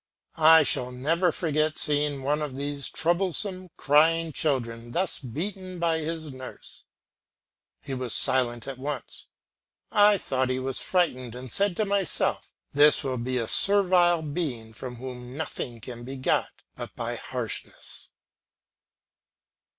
I shall never forget seeing one of these troublesome crying children thus beaten by his nurse. He was silent at once. I thought he was frightened, and said to myself, "This will be a servile being from whom nothing can be got but by harshness."